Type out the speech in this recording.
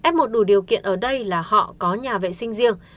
f một đủ điều kiện ở đây là họ có nhà vệ sinh riêng